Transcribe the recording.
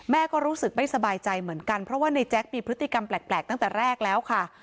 ก็รู้สึกไม่สบายใจเหมือนกันเพราะว่าในแจ๊คมีพฤติกรรมแปลกตั้งแต่แรกแล้วค่ะ